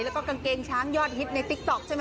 แล้วก็กางเกงช้างยอดฮิตในติ๊กต๊อกใช่ไหม